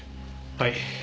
はい。